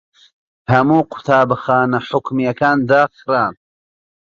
هەموو قوتابخانە حکوومییەکان داخران.